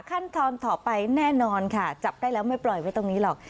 ขั้นตอนต่อไปแน่นอนค่ะจับได้แล้วไม่ปล่อยไว้ตรงนี้หรอก